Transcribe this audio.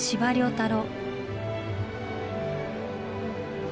太郎。